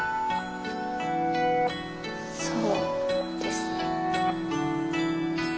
そうですね。